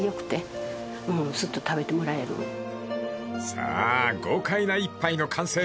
［さあ豪快な一杯の完成だ］